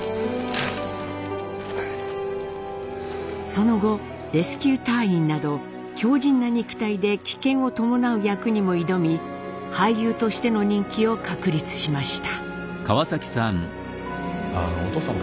その後レスキュー隊員など強じんな肉体で危険を伴う役にも挑み俳優としての人気を確立しました。